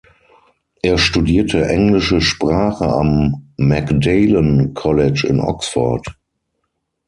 Er studierte englische Sprache am Magdalen College in Oxford.